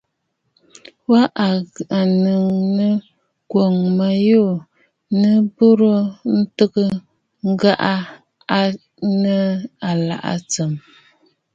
Wa nìghɔ̀ɔ̀ nɨ ŋkwǒŋ bə̀ manû nɨ burə nta ŋgɨʼɨ aa nɨ̂ ɨlaʼà tsɨ̀mə̀.